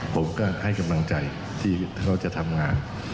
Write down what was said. ผมก็ให้กำลังใจที่เขาจะทำงาน